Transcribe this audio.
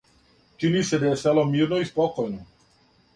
Чини се да је село мирно и спокојно.